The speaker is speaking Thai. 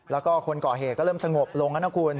แล้วก็คนก่อเหตุก็เริ่มสงบลงแล้วนะคุณ